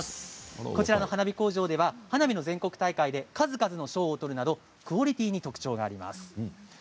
こちらでは花火の全国大会で数々の賞を取るなどクオリティーに特徴があります。